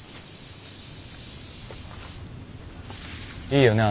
いいよね